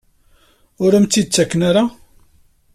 Ur am-tt-id-ttaken ara?